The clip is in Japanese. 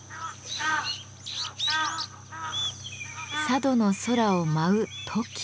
佐渡の空を舞うトキ。